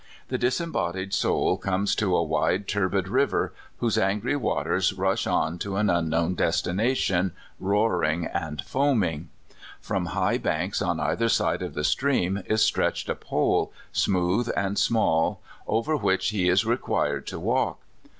The disembodied soul comes to a wide, turbid river, whose angry waters rush on to an unknown destination, roaring and foaming. From high banks on either side of the stream is stretched a pole, smooth and small, over which he is required to walk.